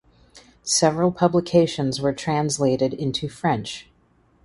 Several publications were translated into French.